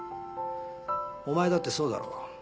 お前だってそうだろ？